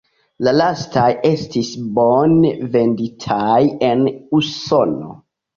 La lastaj estis bone venditaj en Usono.